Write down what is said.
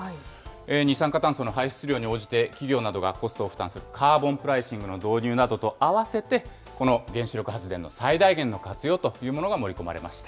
二酸化炭素の排出量に応じて、企業などがコストを負担するカーボンプライシングの導入などと併せて、この原子力発電の最大限の活用というものが盛り込まれました。